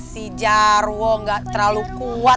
si jarwo gak terlalu kuat